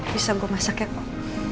bisa gue masak ya kum